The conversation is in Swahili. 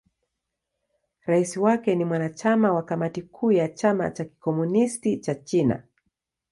Rais wake ni mwanachama wa Kamati Kuu ya Chama cha Kikomunisti cha China.